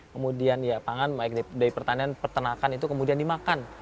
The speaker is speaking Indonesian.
kemudian ya pangan baik dari pertanian pertanakan itu kemudian dimakan